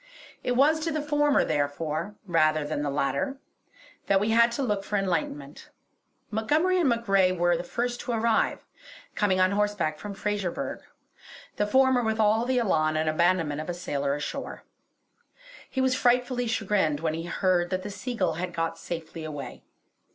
It was to the former, therefore, rather than the latter, that we had to look for enlightenment. Montgomery and MacRae were the first to arrive, coming on horseback from Fraserburgh, the former with all the elan and abandonment of a sailor ashore. He was frightfully chagrined when he heard that the Seagull had got safely away.